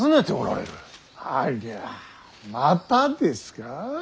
ありゃまたですか。